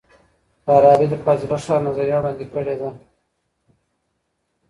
فارابي د فاضله ښار نظریه وړاندې کړې ده.